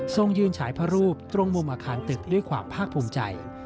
ยืนฉายพระรูปตรงมุมอาคารตึกด้วยความภาคภูมิใจ